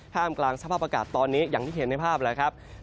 กลางสภาพอากาศตอนนี้อย่างที่เห็นในภาพแล้วครับ